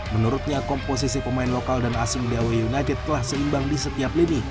menurutnya komposisi pemain lokal dan asing dewa united telah seimbang di setiap lini